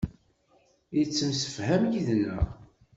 Yettemsefham yid-neɣ.